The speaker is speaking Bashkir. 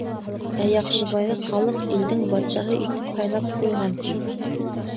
Ә Яҡшыбайҙы халыҡ илдең батшаһы итеп һайлап ҡуйған, ти.